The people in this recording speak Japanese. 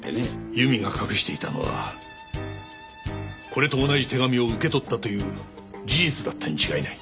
由美が隠していたのはこれと同じ手紙を受け取ったという事実だったに違いない。